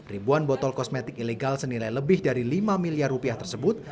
ribuan botol kosmetik ilegal senilai lebih dari lima miliar rupiah tersebut